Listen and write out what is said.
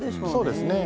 そうですね。